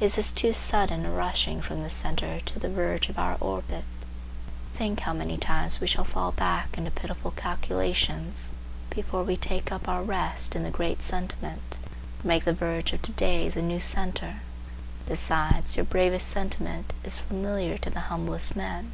Is this too sudden a rushing from the centre to the verge of our orbit? Think how many times we shall fall back into pitiful calculations before we take up our rest in the great sentiment, or make the verge of to day the new centre. Besides, your bravest sentiment is familiar to the humblest men.